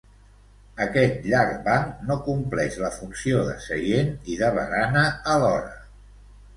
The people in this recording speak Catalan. Aquest llarg banc no compleix la funció de seient i de barana alhora.